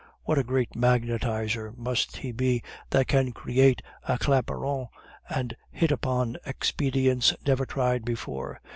What a great magnetizer must he be that can create a Claparon and hit upon expedients never tried before!